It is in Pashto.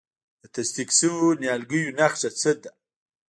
د تصدیق شویو نیالګیو نښه څه ده؟